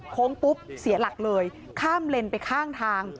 โค้งปุ๊บเสียหลักเลยข้ามเลนไปข้างทาง